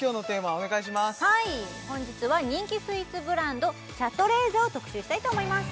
はい本日は人気スイーツブランドシャトレーゼを特集したいと思います